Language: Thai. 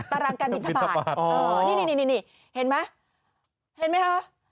ตารางการบินทบาทอ๋อนี่นี่นี่นี่นี่นี่เห็นไหมเห็นไหมค่ะ